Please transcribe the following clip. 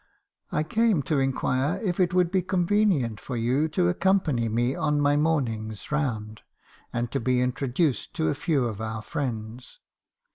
" 'I came to inquire if it would be convenient for you to accompany me on my morning's round, and to be introduced to a few of our friends.'